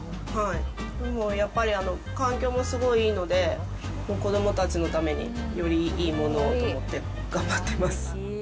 でもやっぱり環境もすごいいいので、子どもたちのために、よりいいものをと思って頑張ってます。